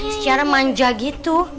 secara manja gitu